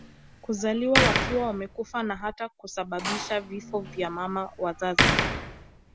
kuzaliwa wakiwa wamekufa na hata kusababisha vifo vya mama wazazi